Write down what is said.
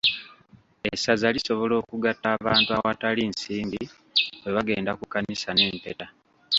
Essaza lisobola okugatta abantu awatali nsimbi bwe bagenda ku kkanisa n'empeta.